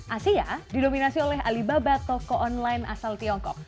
asia didominasi oleh alibaba toko online asal tiongkok